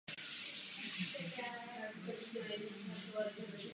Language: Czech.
Třetí otázkou je kontrola dodržování právních předpisů.